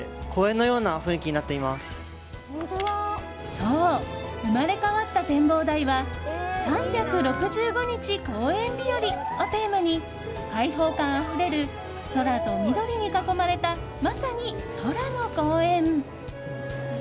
そう、生まれ変わった展望台は「３６５日、公園びより。」をテーマに開放感あふれる空と緑に囲まれたまさに空の公園。